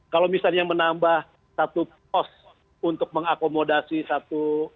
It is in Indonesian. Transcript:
kalau misalnya menambah satu pos untuk mengakomodasi satu